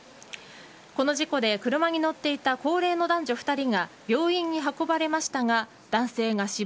この事故で車に乗っていた高齢の男女２人が病院に運ばれましたが男性が死亡。